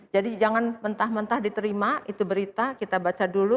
jadi jangan mentah mentah diterima itu berita kita baca dulu